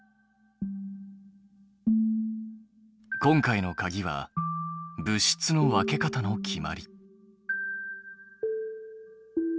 今回のかぎは物質の分け方の決まり。